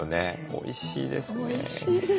おいしいです。